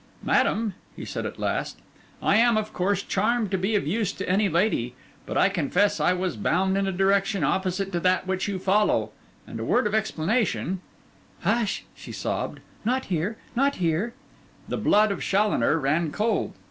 'Madam,' he said at last, 'I am, of course, charmed to be of use to any lady; but I confess I was bound in a direction opposite to that you follow, and a word of explanation—' 'Hush!' she sobbed, 'not here—not here!' The blood of Challoner ran cold.